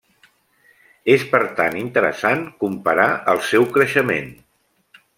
És per tant interessant comparar el seu creixement.